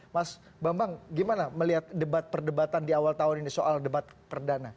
mas bambang gimana melihat debat perdebatan di awal tahun ini soal debat perdana